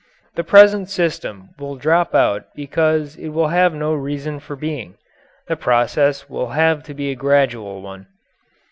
The present system will drop out because it will have no reason for being. The process will have to be a gradual one.